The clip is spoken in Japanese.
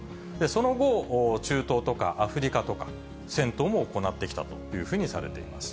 その後、中東とかアフリカとか、戦闘も行ってきたというふうにされています。